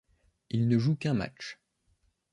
Il ne joue qu'un match.